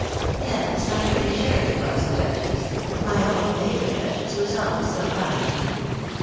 Yes, I am pretty sure it was the duchess — my own favourite duchess, who is always so kind to me.